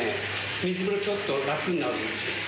水風呂ちょっと楽になるんです。